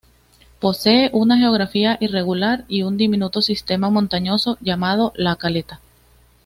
Posee una geografía irregular y un diminuto sistema montañosos llamado La Caleta.